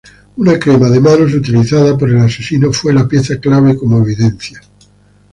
Una crema de manos utilizada por el asesino fue pieza clave como evidencia.